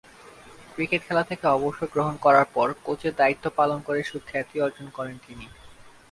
Cricket খেলা থেকে অবসর গ্রহণ করার পর কোচের দায়িত্ব পালন করে সুখ্যাতি অর্জন করেন তিনি।